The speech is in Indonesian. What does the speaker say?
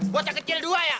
bocah kecil dua ya